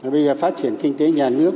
bây giờ phát triển kinh tế nhà nước